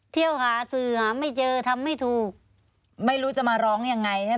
เที่ยวหาสื่อหาไม่เจอทำไม่ถูกไม่รู้จะมาร้องยังไงใช่ไหม